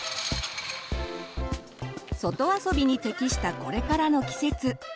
外遊びに適したこれからの季節。